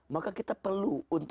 maka kita bisa mencari keimanan kita